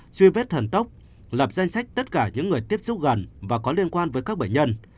truy vết thần tốc lập danh sách tất cả những người tiếp xúc gần và có liên quan với các bệnh nhân